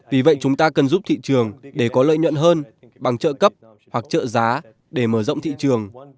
vì vậy chúng ta cần giúp thị trường để có lợi nhuận hơn bằng trợ cấp hoặc trợ giá để mở rộng thị trường